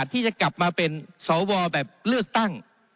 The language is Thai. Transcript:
ที่จะกลับมาเป็นสวแบบเลือกตั้ง